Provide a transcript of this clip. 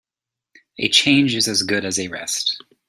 A change is as good as a rest.